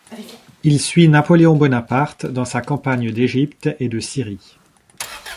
Il suit Napoléon Bonaparte dans sa campagne d'Égypte et de Syrie.